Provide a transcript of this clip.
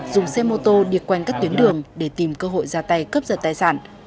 dùng xe mô tô đi quanh các tuyến đường để tìm cơ hội ra tay cướp giật tài sản